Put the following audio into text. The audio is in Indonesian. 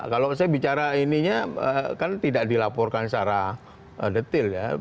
kalau saya bicara ininya kan tidak dilaporkan secara detail ya